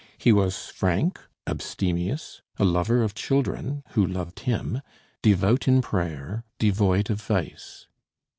He was frank, abstemious, a lover of children, who loved him, devout in prayer, devoid of vice.